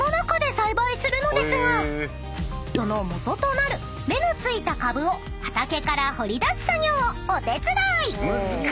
［そのもととなる芽の付いた株を畑から掘り出す作業をお手伝い］